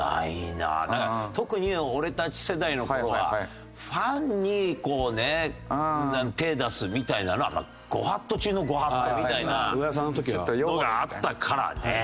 なんか特に俺たち世代の頃はファンにこうね手出すみたいなのはご法度中のご法度みたいなのがあったからね。